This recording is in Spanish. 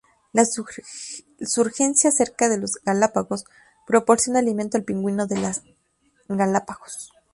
La surgencia cerca de las Galápagos proporciona alimento al pingüino de las Galápagos.